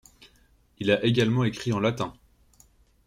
Il a également écrit en latin.